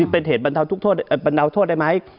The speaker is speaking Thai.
เป็นเหตุบันเทาทุกโทษได้ไหม